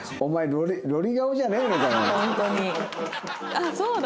ああそうだ！